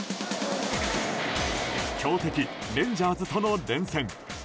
強敵レンジャーズとの連戦。